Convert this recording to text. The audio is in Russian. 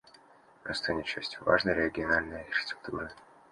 Он станет частью важной региональной архитектуры.